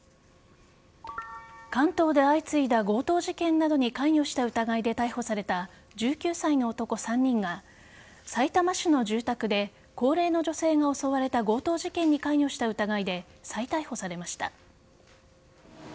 関東で相次いだ強盗事件などに関与した疑いで逮捕された１９歳の男３人がさいたま市の住宅で高齢の女性が襲われた強盗事件に関与した疑いで再逮捕されました。